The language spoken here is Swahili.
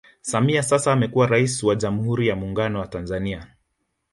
Samia sasa anakuwa Rais wa jamhuri ya Muungano wa Tanzania